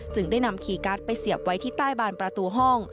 ได้นำคีย์การ์ดไปเสียบไว้ที่ใต้บานประตูห้อง